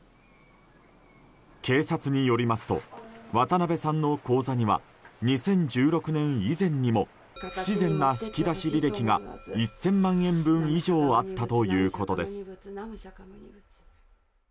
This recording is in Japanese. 警察によりますと渡辺さんの口座には２０１６年以前にも不自然な引き出し履歴が１０００万円分以上あったということです。